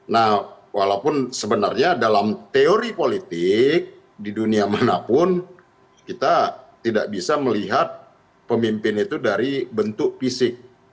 nah walaupun sebenarnya dalam teori politik di dunia manapun kita tidak bisa melihat pemimpin itu dari bentuk fisik